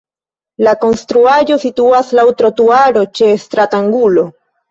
La konstruaĵo situas laŭ trotuaro ĉe stratangulo.